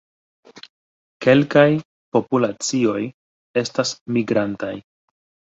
Kelkaj populacioj estas migrantaj.